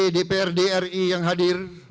dprdri yang hadir